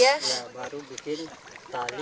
iya baru bikin tali